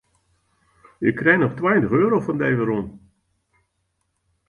Ik krij noch tweintich euro fan dy werom.